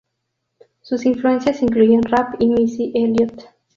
Sus influencias incluyen rap y Missy Elliott.